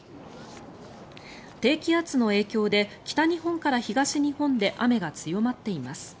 低気圧の影響で北日本から東日本で雨が強まっています。